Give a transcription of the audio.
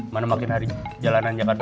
mana makin hari jalanan jakarta